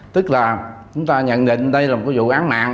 tức là chúng ta nhận định đây là một vụ án mạng